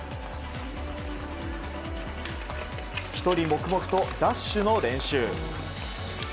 １人黙々とダッシュの練習。